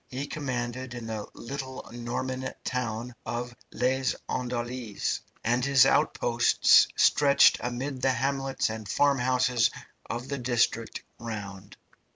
He commanded in the little Norman town of Les Andelys, and his outposts stretched amid the hamlets and farmhouses of the district round.